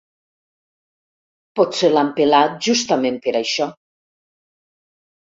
Potser l'han pelat justament per això.